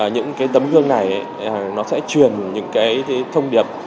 những cái tấm gương này nó sẽ truyền những cái thông điệp